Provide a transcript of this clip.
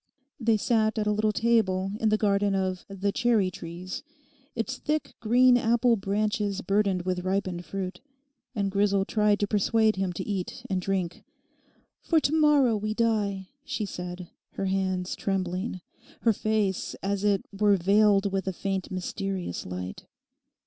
They sat at a little table in the garden of 'The Cherry Trees,' its thick green apple branches burdened with ripened fruit. And Grisel tried to persuade him to eat and drink, 'for to morrow we die,' she said, her hands trembling, her face as it were veiled with a faint mysterious light.